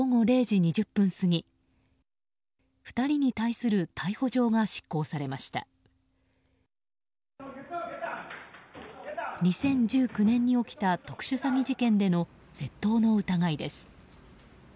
２０１９年に起きた特殊詐欺事件での窃盗の疑いです。